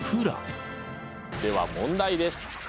では問題です。